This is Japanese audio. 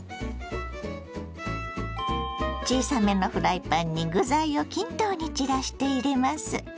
小さめのフライパンに具材を均等に散らして入れます。